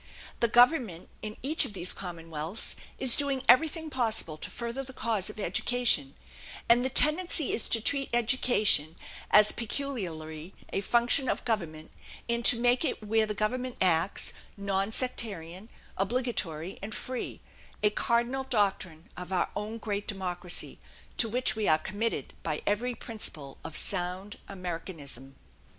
The government in each of these commonwealths is doing everything possible to further the cause of education, and the tendency is to treat education as peculiarly a function of government and to make it, where the government acts, non sectarian, obligatory, and free a cardinal doctrine of our own great democracy, to which we are committed by every principle of sound Americanism.